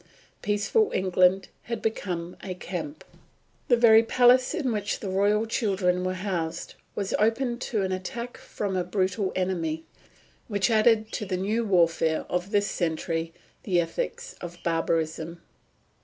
Peaceful England had become a camp. The very palace in which the royal children were housed was open to an attack from a brutal enemy, which added to the new warfare of this century the ethics of barbarism.